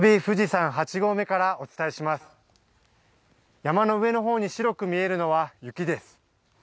山の上のほうに白く見えるのは雪です。